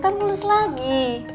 ntar mulus lagi